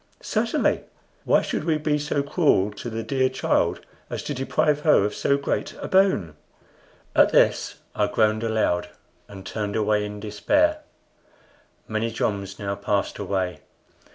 "Certainly. Why should we be so cruel to the dear child as to deprive her of so great a boon?" At this I groaned aloud and turned away in despair. Many joms now passed away.